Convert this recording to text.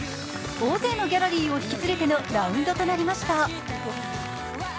大勢のギャラリーを引き連れてのラウンドとなりました。